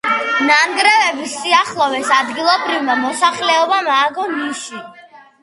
ნანგრევების სიახლოვეს ადგილობრივმა მოსახლეობამ ააგო ნიში.